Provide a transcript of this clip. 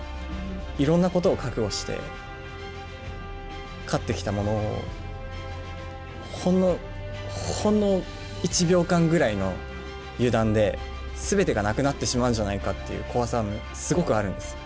いろんなことを覚悟して、勝ってきたものをほんの、ほんの１秒間ぐらいの油断で、すべてがなくなってしまうんじゃないかっていう怖さがすごくあるんです。